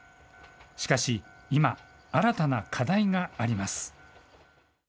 しかし、今、新たな課題があります。